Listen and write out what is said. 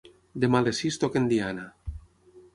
Demà a les sis toquen diana.